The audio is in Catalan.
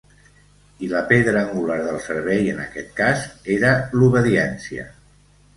I la pedra angular del servei, en aquest cas, era l'obediència.